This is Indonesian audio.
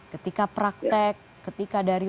ketika praktek ketika dari